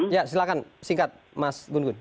ya silahkan singkat mas gun gun